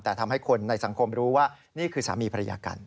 แต่ทำให้คนในสังคมรู้ว่านี่คือสามีภรรยากัน